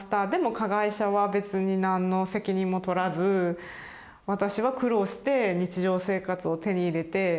加害者は別に何の責任も取らず私は苦労して日常生活を手に入れて。